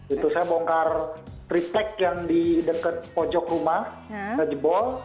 itu saya bongkar triplek yang di dekat pojok rumah jebol